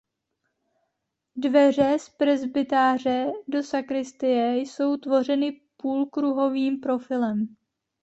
Dveře z presbytáře do sakristie jsou tvořeny půlkruhovým profilem.